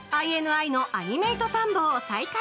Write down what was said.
ＩＮＩのアニメイト探訪再開。